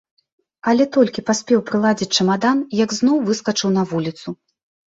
Але толькі паспеў прыладзіць чамадан, як зноў выскачыў на вуліцу.